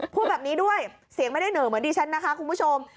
พูดแบบนี้ด้วยเสียงไม่ได้เหนอเหมือนดิฉันนะคะคุณผู้ชม